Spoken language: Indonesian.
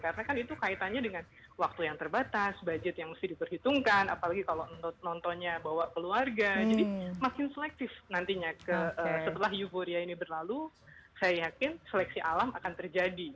karena kan itu kaitannya dengan waktu yang terbatas budget yang kita diperhitungkan apalagi kalau nontonnya bawa keluarga jadi makin selektif nantinya setelah euphoria ini berlalu saya yakin seleksi alam akan terjadi